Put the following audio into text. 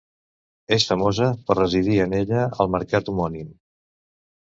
És famosa per residir en ella el mercat homònim.